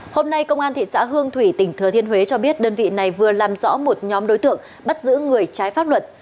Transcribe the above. hôm nay công an thị xã hương thủy tỉnh thừa thiên huế cho biết đơn vị này vừa làm rõ một nhóm đối tượng bắt giữ người trái pháp luật